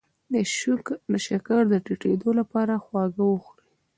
د شکر د ټیټیدو لپاره خواږه وخورئ